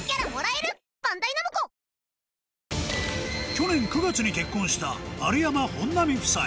去年９月に結婚した丸山・本並夫妻